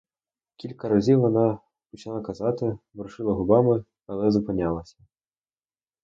Кілька разів вона починала казати, ворушила губами, але зупинялася.